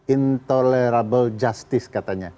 intolerable justice katanya